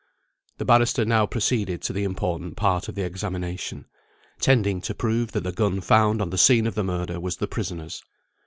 The barrister now proceeded to the important part of the examination, tending to prove that the gun found on the scene of the murder was the prisoner's.